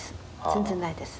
全然ないです。